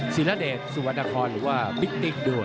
สีระเดชสุวรรดคอนหรือว่าปิ๊กติ๊กด้วย